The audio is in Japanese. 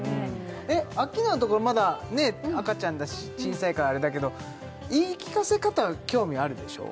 アッキーナのところまだ赤ちゃんだし小さいからあれだけど言い聞かせ方は興味あるでしょ？